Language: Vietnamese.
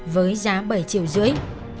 với giá bảy triệu rưỡi